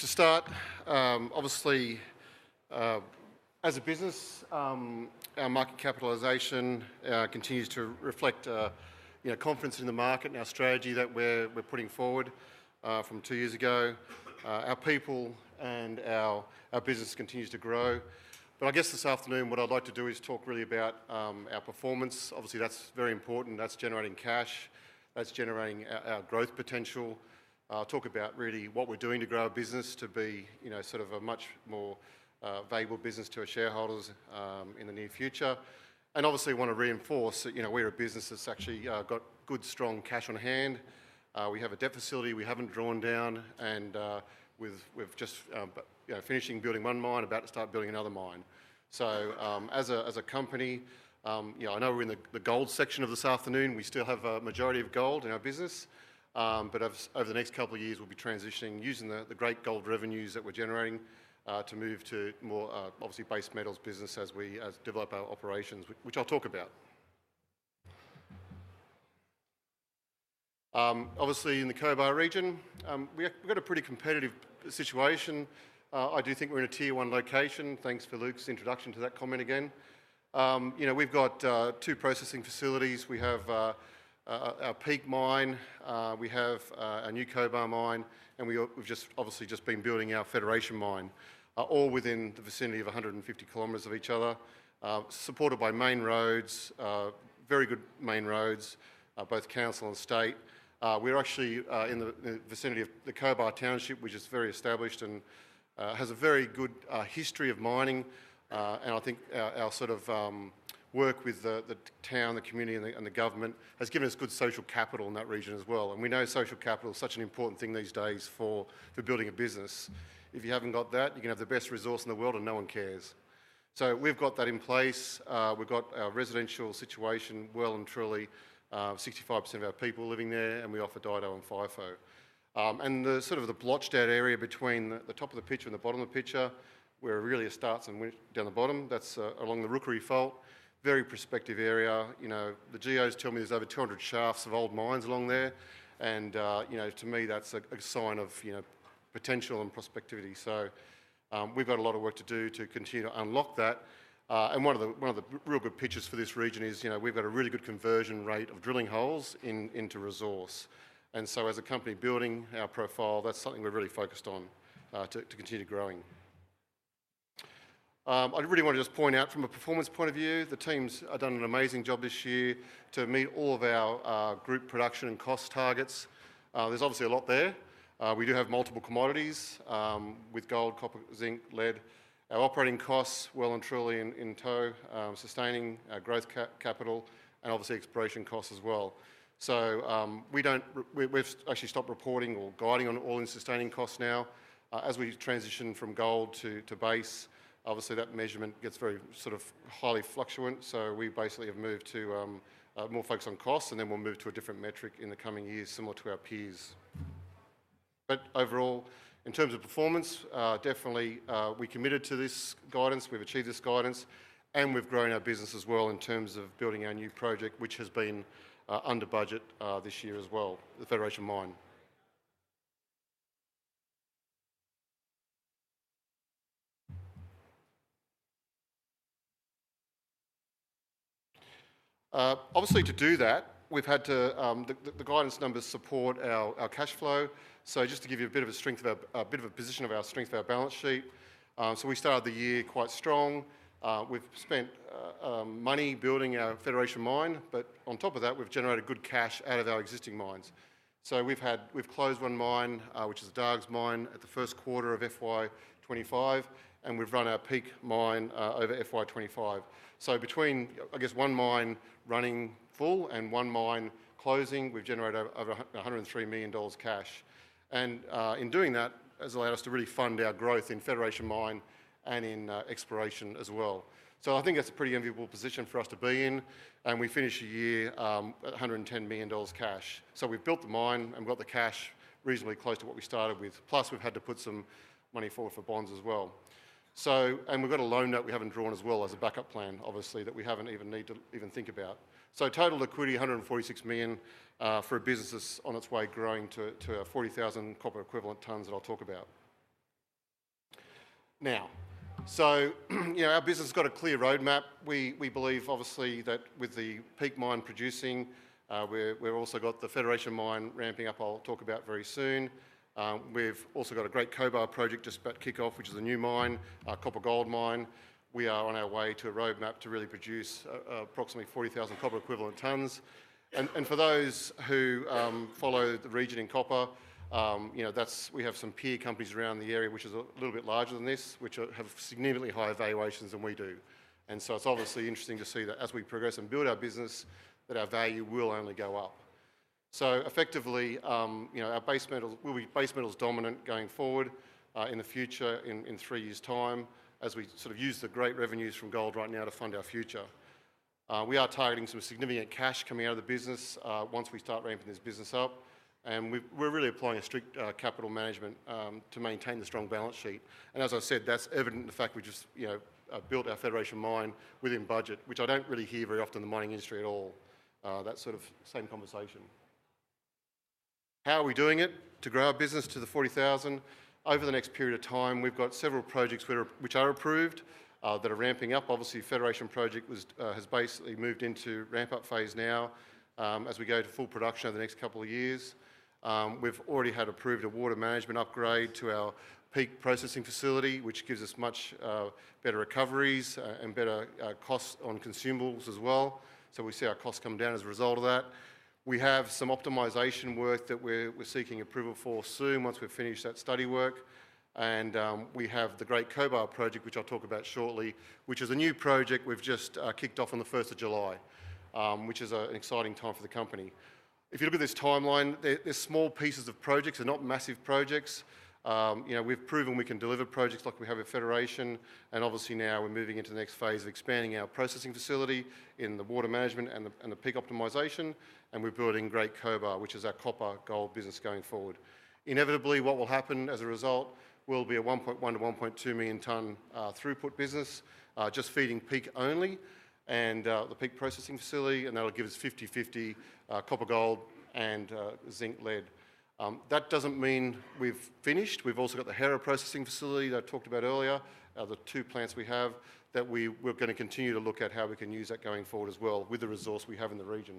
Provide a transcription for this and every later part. To start, obviously, as a business, our market capitalization continues to reflect a confrence in the market and our strategy that we're putting forward from two years ago. Our people and our business continue to grow. This afternoon what I'd like to do is talk really about our performance. Obviously, that's very important. That's generating cash. That's generating our growth potential. I'll talk about really what we're doing to grow our business to be, you know, sort of a much more valuable business to our shareholders in the near future. Obviously, I want to reinforce that, you know, we're a business that's actually got good, strong cash on hand. We have a debt facility we haven't drawn down, and we're just finishing building one mine, about to start building another mine. As a company, you know, I know we're in the gold section of this afternoon. We still have a majority of gold in our business. Over the next couple of years, we'll be transitioning using the great gold revenues that we're generating to move to a more obviously base metals business as we develop our operations, which I'll talk about. Obviously, in the Cobar region, we've got a pretty competitive situation. I do think we're in a Tier 1mining location, thanks to Luke's introduction to that comment again. You know, we've got two processing facilities. We have our Peak Mine, we have our new Cobar Mine, and we've just obviously been building our Federation Mine, all within the vicinity of 150 km of each other, supported by main roads, very good main roads, both council and state. We're actually in the vicinity of the Cobar Township, which is very established and has a very good history of mining. I think our sort of work with the town, the community, and the government has given us good social capital in that region as well. We know social capital is such an important thing these days for building a business. If you haven't got that, you can have the best resource in the world and no one cares. We've got that in place. We've got our residential situation well and truly, 65% of our people living there, and we offer DIDO and FIFO. The sort of the blotched out area between the top of the picture and the bottom of the picture, where it really starts and went down the bottom, that's along the Rochelle Fold. Very prospective area. You know, the geos tell me there's over 200 shafts of old mines along there. To me, that's a sign of potential and prospectivity. We've got a lot of work to do to continue to unlock that. One of the real big pictures for this region is we've got a really good conversion rate of drilling holes into resource. As a company building our profile, that's something we're really focused on to continue growing. I'd really want to just point out from a performance point of view, the teams have done an amazing job this year to meet all of our group production and cost targets. There's obviously a lot there. We do have multiple commodities with gold, copper, zinc, lead. Our operating costs are well and truly in tow, sustaining our growth capital and obviously exploration costs as well. We've actually stopped reporting or guiding on all-in sustaining costs now. As we transition from gold to base, obviously that measurement gets very sort of highly fluctuant. We basically have moved to more focus on costs and then we'll move to a different metric in the coming years similar to our peers. Overall, in terms of performance, definitely, we committed to this guidance. We've achieved this guidance and we've grown our business as well in terms of building our new project, which has been under budget this year as well, the Federation Mine. To do that, the guidance numbers support our cash flow. Just to give you a bit of a position of our strength of our balance sheet, we started the year quite strong. We've spent money building our Federation Mine, but on top of that, we've generated good cash out of our existing mines. We've closed one mine, which is a Dargues mine at the first quarter of FY 2025, and we've run our Peak Mine over FY 2025. Between, I guess, one mine running full and one mine closing, we've generated over $103 million cash. In doing that, it has allowed us to really fund our growth in Federation Mine and in exploration as well. I think that's a pretty enviable position for us to be in. We finished a year at $110 million cash. We built the mine and got the cash reasonably close to what we started with. Plus, we've had to put some money forward for bonds as well. We've got a loan that we haven't drawn as well as a backup plan, obviously, that we haven't even needed to even think about. Total liquidity is $146 million for a business that's on its way growing to 40,000 copper equivalent tons that I'll talk about. Our business has got a clear roadmap. We believe obviously that with the Peak Mine producing, we've also got the Federation Mine ramping up I'll talk about very soon. We've also got a Great Cobar Project just about to kick off, which is a new mine, a copper gold mine. We are on our way to a roadmap to really produce approximately 40,000 copper equivalent tons. For those who follow the region in copper, we have some peer companies around the area, which are a little bit larger than this, which have significantly higher valuations than we do. It's obviously interesting to see that as we progress and build our business, our value will only go up. Effectively, our base metal will be base metals dominant going forward in the future in three years' time as we sort of use the great revenues from gold right now to fund our future. We are targeting some significant cash coming out of the business once we start ramping this business up. We're really applying a strict capital management to maintain the strong balance sheet. As I said, that's evident in the fact we just built our Federation Mine within budget, which I don't really hear very often in the mining industry at all, that sort of same conversation. How are we doing it to grow our business to the 40,000? Over the next period of time, we've got several projects which are approved that are ramping up. Obviously, the Federation project has basically moved into ramp-up phase now as we go to full production over the next couple of years. We've already had approved a water management upgrade to our Peak processing facility, which gives us much better recoveries and better costs on consumables as well. We see our costs come down as a result of that. We have some optimization work that we're seeking approval for soon once we've finished that study work. We have the Great Cobar Project, which I'll talk about shortly, which is a new project we've just kicked off on the 1st of July, which is an exciting time for the company. If you look at this timeline, there are small pieces of projects. They're not massive projects. We've proven we can deliver projects like we have at Federation. Obviously, now we're moving into the next phase of expanding our processing facility in the water management and the Peak optimization. We're building Great Cobar, which is our copper gold business going forward. Inevitably, what will happen as a result will be a 1.1 million-1.2 million ton throughput business just feeding Peak only and the Peak processing facility. That'll give us 50/50 copper gold and zinc lead. That doesn't mean we've finished. We've also got the Hera processing facility that I talked about earlier, the two plants we have that we're going to continue to look at how we can use that going forward as well with the resource we have in the region.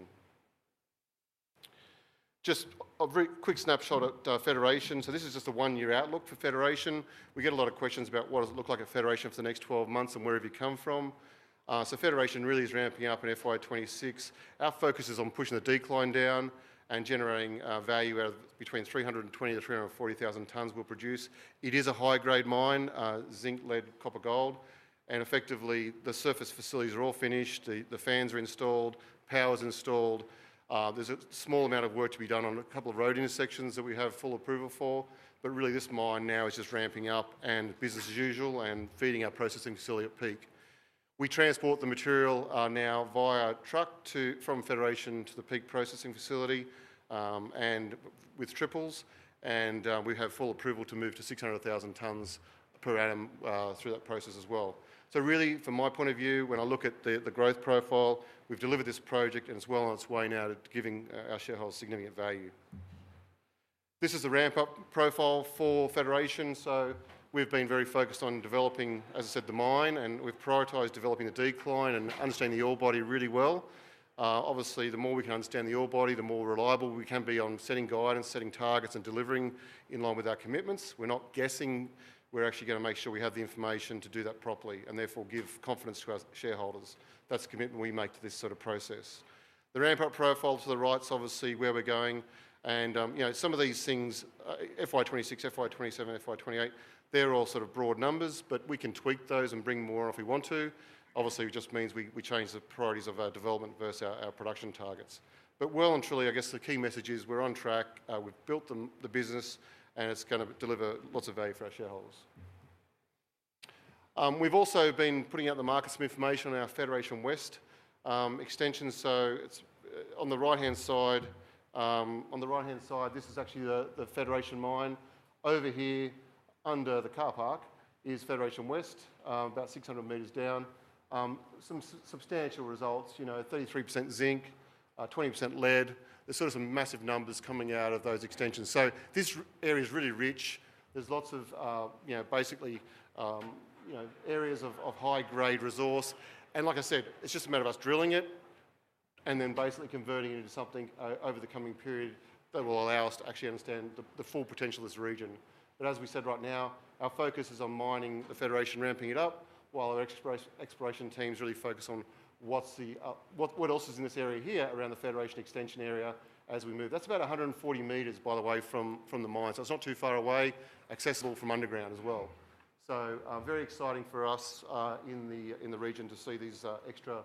Just a quick snapshot at Federation. This is just a one-year outlook for Federation. We get a lot of questions about what does it look like at Federation for the next 12 months and where have you come from. Federation really is ramping up in FY 2026. Our focus is on pushing the decline down and generating value out of between 320,000-340,000 tons we'll produce. It is a high-grade mine, zinc lead, copper gold. Effectively, the surface facilities are all finished. The fans are installed. Power is installed. There's a small amount of work to be done on a couple of road intersections that we have full approval for. Really, this mine now is just ramping up and business as usual and feeding our processing facility at Peak. We transport the material now via truck from Federation to the Peak processing facility and with triples. We have full approval to move to 600,000 tons per annum through that process as well. From my point of view, when I look at the growth profile, we've delivered this project and it's well on its way now to giving our shareholders significant value. This is a ramp-up profile for Federation. We've been very focused on developing, as I said, the mine. We've prioritized developing a decline and understanding the ore body really well. Obviously, the more we can understand the ore body, the more reliable we can be on setting guidance, setting targets, and delivering in line with our commitments. We're not guessing, we're actually going to make sure we have the information to do that properly and therefore give confidence to our shareholders. That's the commitment we make to this sort of process. The ramp-up profile to the right is obviously where we're going. Some of these things, FY 2026, FY 2027, and FY 2028, they're all sort of broad numbers, but we can tweak those and bring more if we want to. Obviously, it just means we change the priorities of our development versus our production targets. The key message is we're on track. We've built the business and it's going to deliver lots of value for our shareholders. We've also been putting out to the market some information on our Federation West extension. It's on the right-hand side. On the right-hand side, this is actually the Federation Mine. Over here under the car park is Federation West, about 600 m down. Some substantial results, 33% zinc, 20% lead. There are some massive numbers coming out of those extensions. This area is really rich. There are basically areas of high-grade resource. Like I said, it's just a matter of us drilling it and then basically converting it into something over the coming period that will allow us to actually understand the full potential of this region. As we said right now, our focus is on mining the Federation, ramping it up, while our exploration teams really focus on what else is in this area here around the Federation extension area as we move. That's about 140 m, by the way, from the mine. It's not too far away, accessible from underground as well. Very exciting for us in the region to see these extra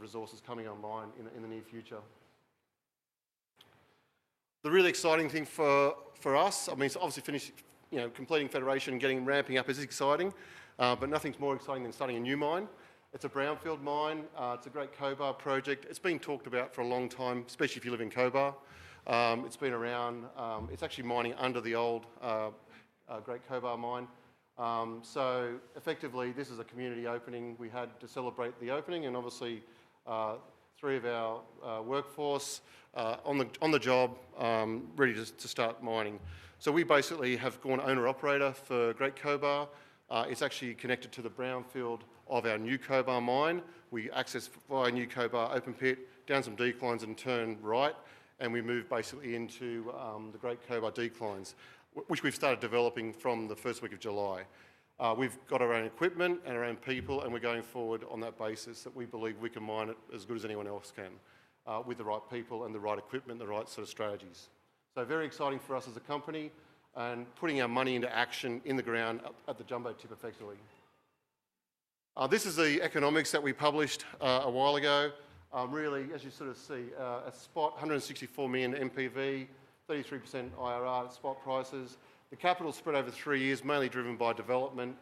resources coming online in the near future. The really exciting thing for us, I mean, obviously finishing, completing Federation, getting ramping up is exciting, but nothing's more exciting than starting a new mine. It's a brownfield mine. It's the Great Cobar Project. It's been talked about for a long time, especially if you live in Cobar. It's been around. It's actually mining under the old Great Cobar mine. Effectively, this is a community opening. We had to celebrate the opening and obviously three of our workforce on the job ready to start mining. We basically have gone owner-operator for Great Cobar. It's actually connected to the brownfield of our New Cobar mine. We access via New Cobar open pit, down some declines and turn right, and we move basically into the Great Cobar declines, which we've started developing from the first week of July. We've got our own equipment and our own people, and we're going forward on that basis that we believe we can mine it as good as anyone else can with the right people and the right equipment, the right sort of strategies. Very exciting for us as a company and putting our money into action in the ground at the jumbo tip effectively. This is the economics that we published a while ago. Really, as you sort of see, a spot $164 million NPV, 33% IRR at spot prices. The capital spread over three years, mainly driven by development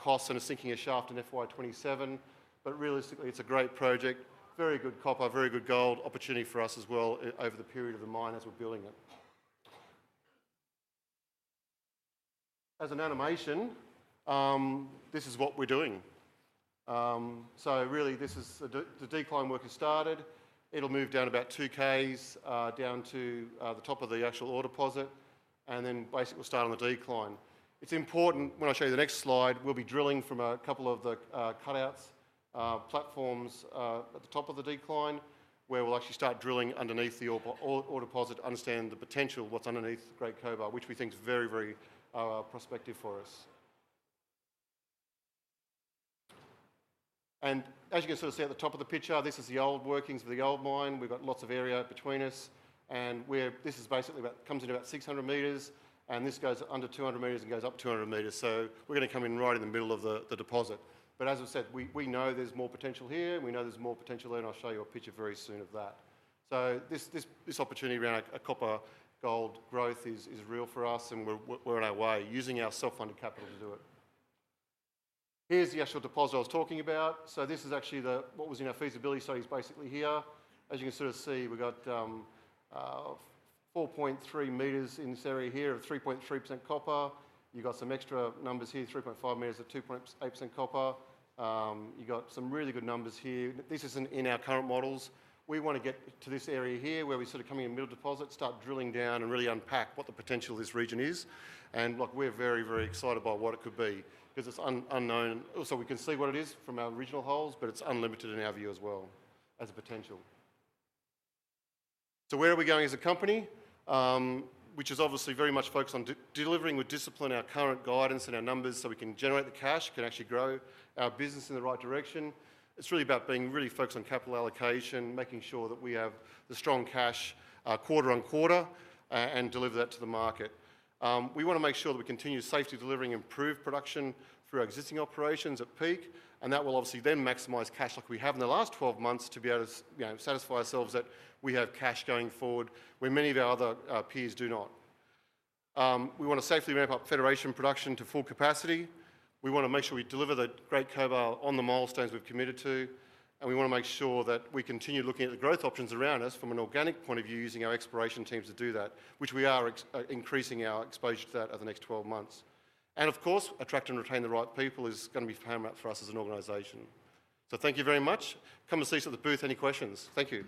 costs and a sinking shaft in FY 2027. Realistically, it's a great project. Very good copper, very good gold opportunity for us as well over the period of the mine as we're building it. As an animation, this is what we're doing. This is the decline work has started. It'll move down about 2Ks down to the top of the actual ore deposit, and then basically we'll start on the decline. It's important, when I show you the next slide, we'll be drilling from a couple of the cutouts platforms at the top of the decline where we'll actually start drilling underneath the ore deposit to understand the potential of what's underneath the Great Cobar, which we think is very, very prospective for us. As you can sort of see at the top of the picture, this is the old workings of the old mine. We've got lots of area between us, and this is basically about comes into about 600 m, and this goes under 200 m and goes up 200 m. We're going to come in right in the middle of the deposit. As I said, we know there's more potential here, and we know there's more potential there, and I'll show you a picture very soon of that. This opportunity around a copper gold growth is real for us, and we're on our way using our self-funded capital to do it. Here's the actual deposit I was talking about. This is actually what was in our feasibility studies basically here. As you can sort of see, we've got 4.3 m in this area here of 3.3% copper. You've got some extra numbers here, 3.5 m of 2.8% copper. You've got some really good numbers here. This is in our current models. We want to get to this area here where we sort of come in the middle deposit, start drilling down and really unpack what the potential of this region is. Look, we're very, very excited by what it could be because it's unknown. Also, we can see what it is from our original holes, but it's unlimited in our view as well as a potential. Where are we going as a company, which is obviously very much focused on delivering with discipline our current guidance and our numbers so we can generate the cash, can actually grow our business in the right direction. It's really about being really focused on capital allocation, making sure that we have the strong cash quarter on quarter and deliver that to the market. We want to make sure that we continue safely delivering improved production through our existing operations at Peak, and that will obviously then maximize cash like we have in the last 12 months to be able to satisfy ourselves that we have cash going forward where many of our other peers do not. We want to safely ramp up Federation production to full capacity. We want to make sure we deliver the Great Cobar on the milestones we've committed to, and we want to make sure that we continue looking at the growth options around us from an organic point of view using our exploration teams to do that, which we are increasing our exposure to that over the next 12 months. Of course, attract and retain the right people is going to be paramount for us as an organization. Thank you very much. Come and see us at the booth. Any questions? Thank you.